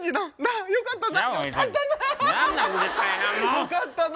よかったな。